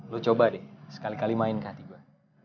lo coba deh sekali kali main ke hati gue